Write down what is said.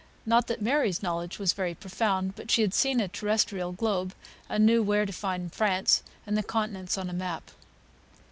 Not that Mary's knowledge was very profound, but she had seen a terrestrial globe, and knew where to find France and the continents on a map.